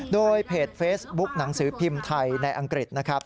โดยเพจเฟซบุ๊กหนังสือพิมพ์ไทยในอังกฤษนะครับ